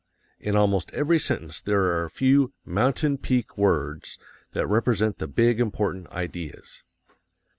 In almost every sentence there are a few MOUNTAIN PEAK WORDS that represent the big, important ideas.